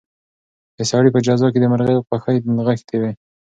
د سړي په جزا کې د مرغۍ خوښي نغښتې وه.